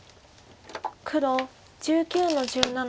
黒１９の十七。